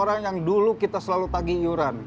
orang yang dulu kita selalu tagi iuran